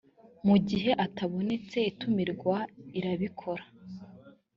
mu gihe atabonetse itumirwa irabikora